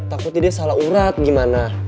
takutnya dia salah urat gimana